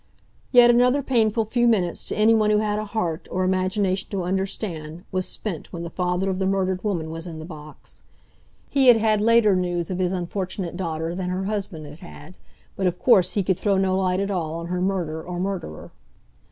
Yet another painful few minutes, to anyone who had a heart, or imagination to understand, was spent when the father of the murdered woman was in the box. He had had later news of his unfortunate daughter than her husband had had, but of course he could throw no light at all on her murder or murderer.